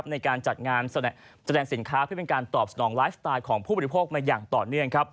ในการจัดงานแสดงสินค้าเพื่อเป็นการตอบสนองไลฟ์สไตล์ของผู้บริโภคมาอย่างต่อเนื่อง